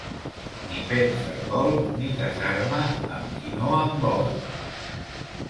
Ni pets de col, ni casar-me amb qui no em vol.